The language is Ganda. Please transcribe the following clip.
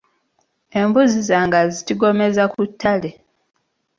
Embuzi zange azitigomeza ku ttale.